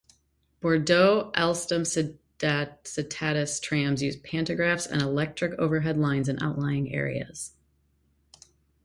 Bordeaux Alstom Citadis trams use pantographs and electric overhead lines in outlying areas.